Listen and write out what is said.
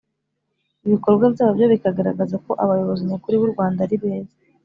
ibikorwa byabo byo bikagaragaza ko abayobozi nyakuri b' u rwanda ari beza